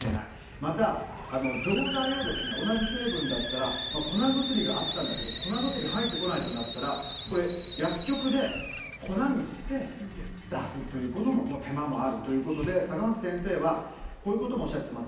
また、錠剤を同じ成分だったら粉薬があったんだけど、粉薬入ってこないとなったら、これ、薬局で粉にして出すということの手間もあるということで、坂巻先生は、こういうこともおっしゃってます。